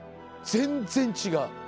全然違う。